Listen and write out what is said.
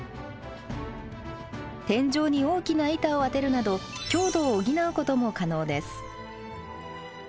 天井に大きな板を当てるなど強度を補うことも可能です。